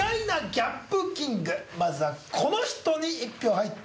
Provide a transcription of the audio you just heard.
まずはこの人に１票入ってます。